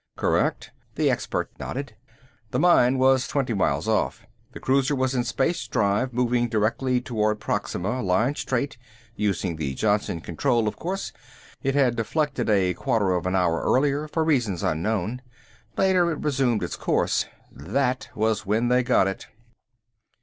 "Correct." The expert nodded. "The mine was twenty miles off. The cruiser was in space drive, moving directly toward Proxima, line straight, using the Johnson Control, of course. It had deflected a quarter of an hour earlier for reasons unknown. Later it resumed its course. That was when they got it."